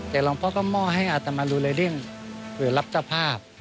แต่หลวงพ่อก็หมอให้อาตมารูเลยเล่นหรือรับเจ้าภาพ